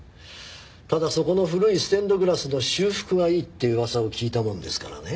ただそこの古いステンドグラスの修復がいいっていう噂を聞いたもんですからね。